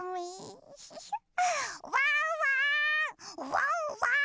ワンワーン！